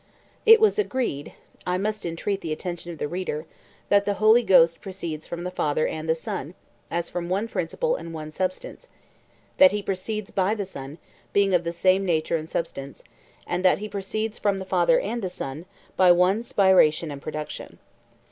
It was agreed (I must entreat the attention of the reader) that the Holy Ghost proceeds from the Father and the Son, as from one principle and one substance; that he proceeds by the Son, being of the same nature and substance, and that he proceeds from the Father and the Son, by one spiration and production.